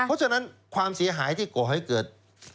เพราะฉะนั้นความเสียหายที่ก่อให้เกิด